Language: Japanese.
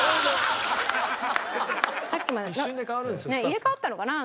ねえ入れ代わったのかな